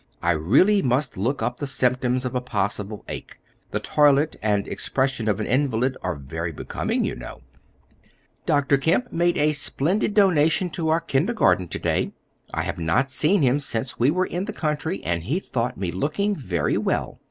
I really must look up the symptoms of a possible ache; the toilet and expression of an invalid are very becoming, you know." "Dr. Kemp made a splendid donation to our kindergarten to day. I have not seen him since we were in the country, and he thought me looking very well.